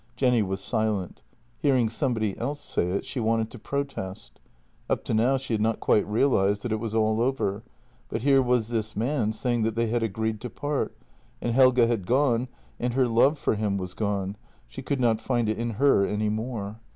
Jenny was silent. Hearing somebody else say it, she wanted to protest. Up to now she had not quite realized that it was all over, but here was this man saying that they had agreed to part, and Helge had gone and her love for him was gone — she could not find it in her any more.